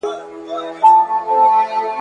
چي هر څه یې وي زده کړي په کلونو ,